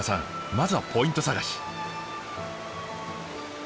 まずはポイント探し。